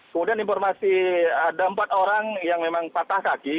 kemudian informasi ada empat orang yang memang patah kaki